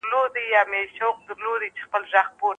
وئيل يې خو د ستورو دا ځنګل پري نه خبريږي